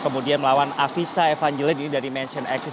kemudian melawan avisa evangeline ini dari mansion exis